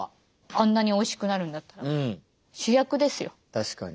確かに。